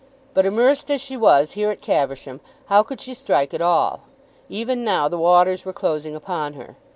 But immersed as she was here at Caversham, how could she strike at all? Even now the waters were closing upon her.